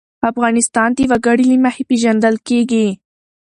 افغانستان د وګړي له مخې پېژندل کېږي.